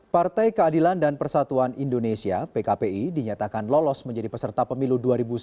partai keadilan dan persatuan indonesia pkpi dinyatakan lolos menjadi peserta pemilu dua ribu sembilan belas